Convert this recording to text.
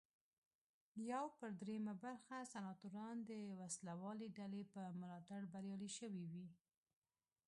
یو پر درېیمه برخه سناتوران د وسله والې ډلې په ملاتړ بریالي شوي وي.